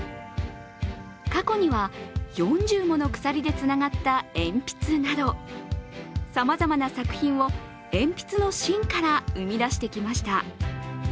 過去には４０もの鎖でつながった鉛筆など、さまざまな作品を鉛筆の芯から生み出してきました。